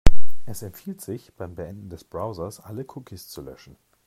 Es empfiehlt sich, beim Beenden des Browsers alle Cookies zu löschen.